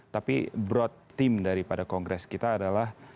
tapi broad team daripada kongres kita adalah